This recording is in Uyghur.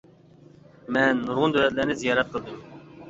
مەن نۇرغۇن دۆلەتلەرنى زىيارەت قىلدىم.